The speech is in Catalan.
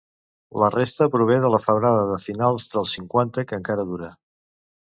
La resta prové de la febrada de finals dels cinquanta que encara dura.